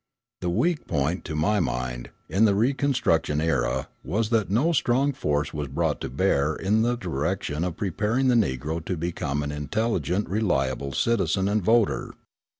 The weak point, to my mind, in the reconstruction era was that no strong force was brought to bear in the direction of preparing the Negro to become an intelligent, reliable citizen and voter.